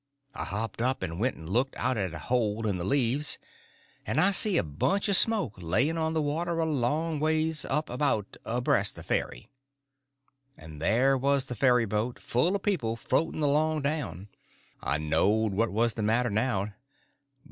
I hopped up, and went and looked out at a hole in the leaves, and I see a bunch of smoke laying on the water a long ways up—about abreast the ferry. And there was the ferryboat full of people floating along down. I knowed what was the matter now.